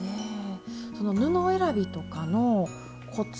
その布選びとかのコツ？